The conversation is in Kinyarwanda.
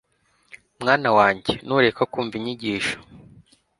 Mwana wanjye nureka kumva inyigisho